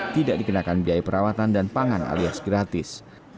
tidak dikenakan biaya perawatan dan pangan alias gratis